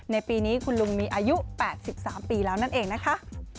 ในปีนี้คุณลุงมีอายุ๘๓ปีแล้วนั่นเองนะคะ